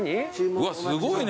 うわすごいね。